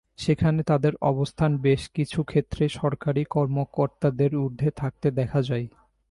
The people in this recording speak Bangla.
সেখানে তাঁদের অবস্থান বেশ কিছু ক্ষেত্রেই সরকারি কর্মকর্তাদের ঊর্ধ্বে থাকতে দেখা যায়।